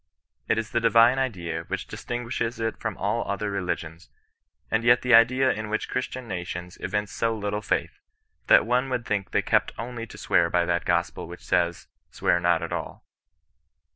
It is the divine idea which distinguishes it from all other religions, and yet the idea in which Christian nations evince so little faith, that one would think they kept oi\lif to swear hy that gospel which says, * Swear not at all.'